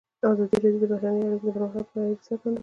ازادي راډیو د بهرنۍ اړیکې د پرمختګ په اړه هیله څرګنده کړې.